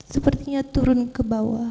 sepertinya turun ke bawah